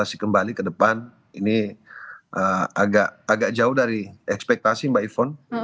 saya kembali ke depan ini agak jauh dari ekspektasi mbak ifon